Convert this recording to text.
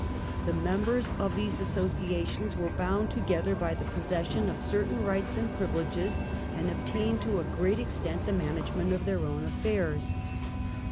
The members of these as sociations were bound together by the possession of certain rights and privileges and obtained to a great extent the management of their own affairs.